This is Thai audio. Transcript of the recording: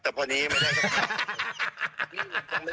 แต่พอนี้ไม่ได้